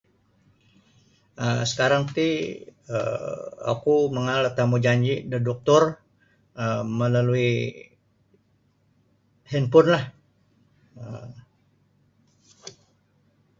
um Sakarang ti um oku mangaal da tamujanii da doktor um melalui handphone lah um.